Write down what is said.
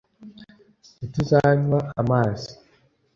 ntituzanywa amazi .